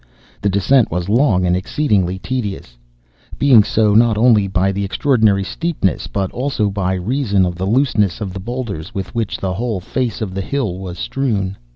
The descent was long and exceedingly tedious, being so not only by the extraordinary steepness, but also by reason of the looseness of the boulders with which the whole face of the hill was strewn.